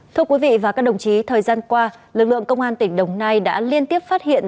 thưa quý vị và các đồng chí thời gian qua lực lượng công an tỉnh đồng nai đã liên tiếp phát hiện